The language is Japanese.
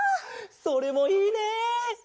それもいいね！